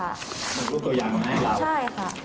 มันพูดตัวอย่างของให้เราใช่ค่ะ